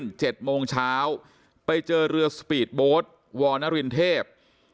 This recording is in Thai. สิบเจ็ดโมงเช้าไปเจอเรือสปีดโบ๊ทวรณรินเทพ